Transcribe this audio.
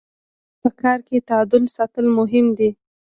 په کار کي تعادل ساتل مهم دي.